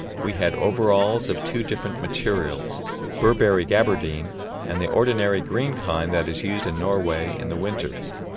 We had overalls of two different materials: Burberry "gabardine" and the ordinary green kind that is used in Norway in the winter.